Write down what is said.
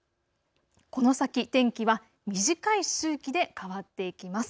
この先、天気は短い周期で変わっていきます。